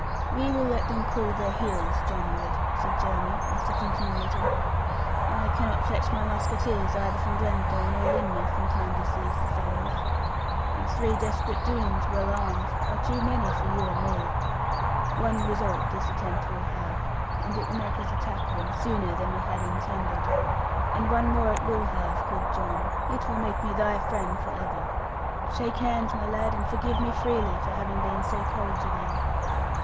'We will let them cool their heels, John Ridd,' said Jeremy, after thinking a little. 'I cannot fetch my musketeers either from Glenthorne or Lynmouth, in time to seize the fellows. And three desperate Doones, well armed, are too many for you and me. One result this attempt will have, it will make us attack them sooner than we had intended. And one more it will have, good John, it will make me thy friend for ever. Shake hands my lad, and forgive me freely for having been so cold to thee.